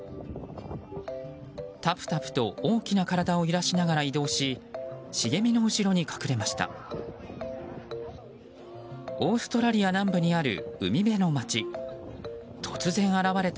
タプタプと大きな体を揺らしながら移動し茂みの後ろに隠れました。